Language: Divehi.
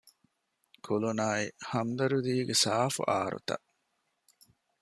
ކުލުނާއި ހަމްދަރްދީގެ ސާފު އާރުތައް